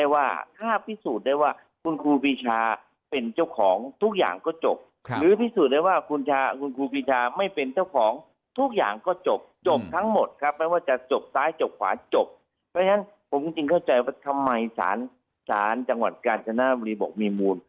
ว่าจะจบซ้ายจบขวาจบเพราะฉะนั้นผมจริงเข้าใจว่าทำไมสารสารจังหวัดกาญชนาบุรีบอกมีมูล